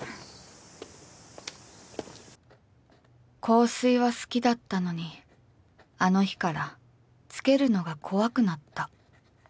「香水は好きだったのにあの日からつけるのが怖くなった」